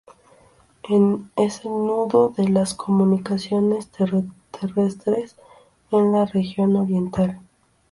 Es el nudo de las comunicaciones terrestres en la región Oriental.